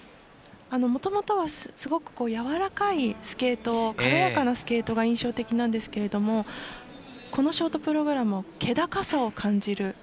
もともとはすごくやわらかいスケート軽やかなスケートが印象的なんですけどこのショートプログラムは気高さを感じる。